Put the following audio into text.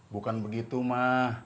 bukan begitu ma